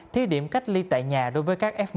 thí điểm cách ly tại nhà đối với các f một